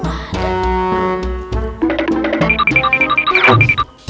masih biasa kok